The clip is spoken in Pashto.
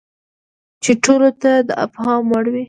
چې ټولو ته د افهام وړ وي.